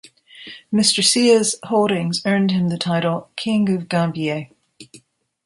Mr Seah's holdings earned him the title: 'King of Gambier'.